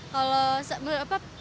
kalau menurut apa